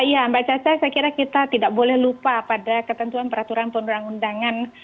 iya mbak caca saya kira kita tidak boleh lupa pada ketentuan peraturan perundang undangan